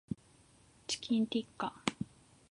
チキンティッカ